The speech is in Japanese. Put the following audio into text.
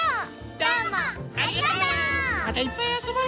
どうもありがとう！